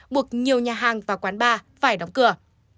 buộc nhiều nhà hàng và quán bar phải đóng cửa